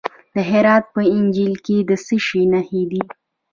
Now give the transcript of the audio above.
د هرات په انجیل کې د څه شي نښې دي؟